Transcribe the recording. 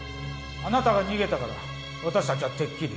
あなたが逃げたから私たちはてっきり。